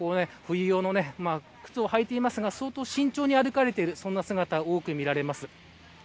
しっかりと冬用の靴を履いていますが相当、慎重に歩かれているそんな姿が多く見られます。